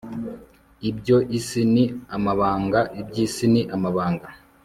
ibyo isi ni amabanga. iby'isi ni amabanga